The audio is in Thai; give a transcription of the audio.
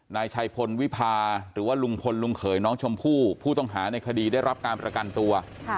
นายชัยพลวิพาหรือว่าลุงพลลุงเขยน้องชมพู่ผู้ต้องหาในคดีได้รับการประกันตัว